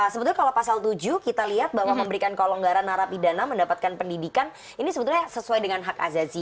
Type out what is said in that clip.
sebetulnya kalau pasal tujuh kita lihat bahwa memberikan kelonggaran narapidana mendapatkan pendidikan ini sebetulnya sesuai dengan hak azazi